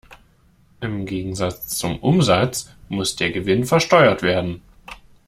Im Gegensatz zum Umsatz muss der Gewinn versteuert werden.